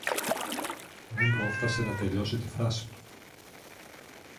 Δεν πρόφθασε να τελειώσει τη φράση του.